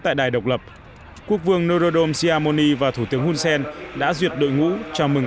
tại đài độc lập quốc vương norodom siamoni và thủ tướng hun sen đã duyệt đội ngũ chào mừng